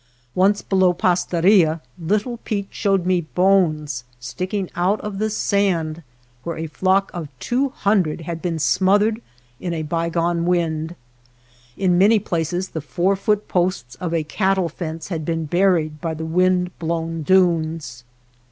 Once below Pastaria Little Pete showed me bones sticking out of the sand where a flock of two hundred had been smothered in a bygone wind. In many places the four foot posts of a cattle fence had been buried by the wind blown dunes.